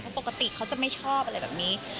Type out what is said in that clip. เพราะปกติเขาจะไม่ชอบอะไรแบบนี้